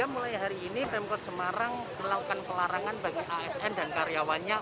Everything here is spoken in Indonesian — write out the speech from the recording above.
mulai hari ini pemkot semarang melakukan pelarangan bagi asn dan karyawannya